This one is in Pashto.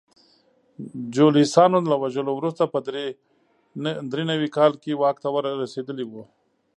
جولیانوس له وژلو وروسته په درې نوي کال کې واک ته رسېدلی و